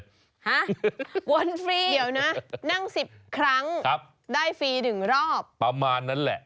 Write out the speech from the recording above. ฮะวนฟรีเดี๋ยวนะนั่ง๑๐ครั้งได้ฟรีหนึ่งรอบประมาณนั้นแหละ